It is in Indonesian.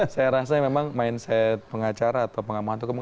saya rasa memang mindset pengacara atau pengamahan tukang